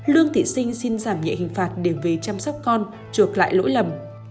lương thị sinh xin giảm nhẹ hình phạt để về chăm sóc con chuộc lại lỗi lầm